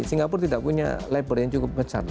singapura tidak punya labor yang cukup besar